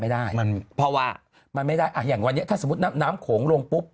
ไม่ได้มันเพราะว่ามันไม่ได้อ่ะอย่างวันนี้ถ้าสมมุติน้ำน้ำโขงลงปุ๊บ